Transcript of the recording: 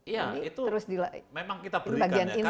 iya itu memang kita berikan